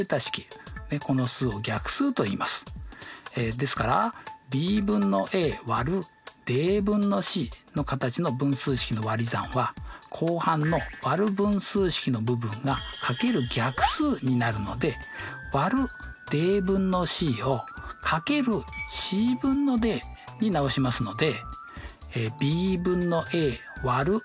ですからの形の分数式のわり算は後半のわる分数式の部分がかける逆数になるので÷Ｄ分のＣを×Ｃ分のＤに直しますので。